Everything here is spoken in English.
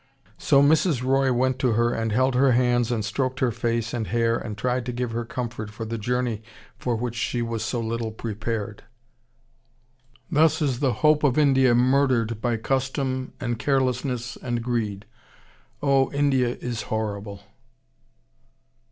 So Mrs. Roy went to her and held her hands and stroked her face and hair and tried to give her comfort for the journey for which she was so little prepared. Thus is the 'hope of India' MURDERED by custom and carelessness and greed. _Oh, India is horrible!